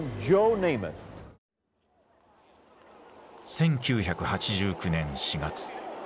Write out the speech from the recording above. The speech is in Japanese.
１９８９年４月。